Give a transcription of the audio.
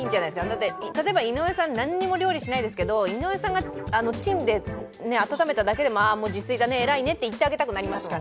だって例えば井上さん何も料理しないですけど井上さんがチンで温めただけでもあもう自炊だね、偉いねと言ってあげたくなりますもん。